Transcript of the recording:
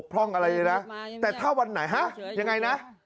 ปกติ